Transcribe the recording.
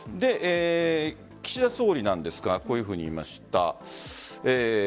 岸田総理なんですがこういうふうに言いました。